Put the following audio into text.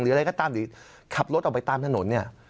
อะไรก็ตามหรือขับรถออกไปตามถนนเนี่ย